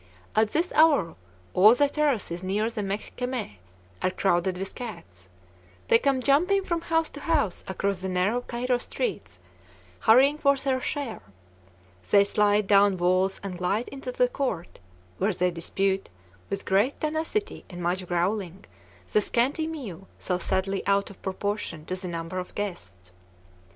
At this hour all the terraces near the Mehkemeh are crowded with cats: they come jumping from house to house across the narrow Cairo streets, hurrying for their share: they slide down walls and glide into the court, where they dispute, with great tenacity and much growling, the scanty meal so sadly out of proportion to the number of guests.